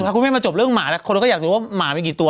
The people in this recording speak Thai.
ถ้าคุณแม่มาจบเรื่องหมาแล้วคนก็อยากรู้ว่าหมามีกี่ตัว